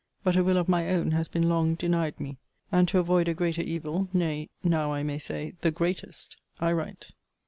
But a will of my own has been long denied me; and to avoid a greater evil, nay, now I may say, the greatest, I write.